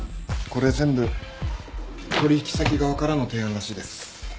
これ全部取引先側からの提案らしいです。